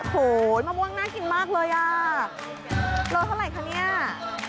โหมะม่วงน่ากินมากเลยอ่ะโลเท่าไหร่คะเนี่ย